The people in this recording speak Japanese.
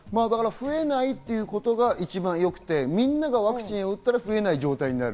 増えないってことが一番よくて、みんながワクチンを打ったら増えない状況になる。